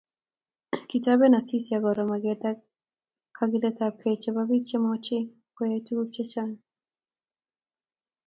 Kitoben Asisi akoro maget ak kogiletabkei chebo bik chemochei koyai tuguk chechang